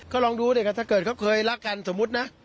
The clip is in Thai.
ก็ลองดูดิกันถ้าเกิดเขาเคยรักกันสมมุตินะ